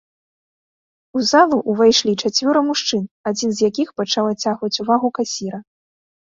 У залу ўвайшлі чацвёра мужчын, адзін з якіх пачаў адцягваць увагу касіра.